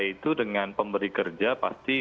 itu dengan pemberi kerja pasti